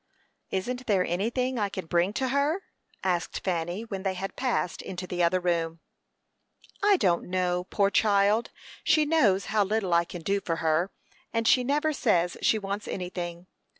"Isn't there anything I can bring to her?" asked Fanny, when they had passed into the other room. "I don't know. Poor child! she knows how little I can do for her, and she never says she wants anything.